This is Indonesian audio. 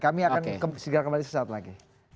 kami akan segera kembali sesaat lagi